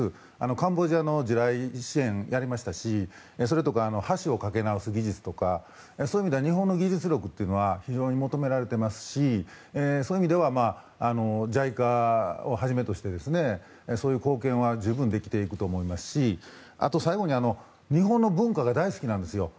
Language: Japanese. カンボジアの地雷支援をやりましたしそれとか、橋を架け直す技術とかそういう意味で日本の技術力は非常に求められてますしそういう意味ではＪＩＣＡをはじめとしてそういう貢献は十分できていくと思いますし最後に日本の文化が大好きなんですよ。